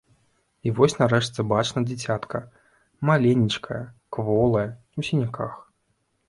І вось нарэшце бачна дзіцятка — маленечкае, кволае, у сіняках.